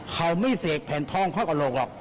เขาไม่เสกแผ่นทองเข้ากระโหลกหรอก